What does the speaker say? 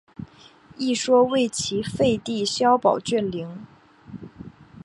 一说为齐废帝萧宝卷陵。